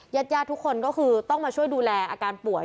ญาติญาติทุกคนก็คือต้องมาช่วยดูแลอาการป่วย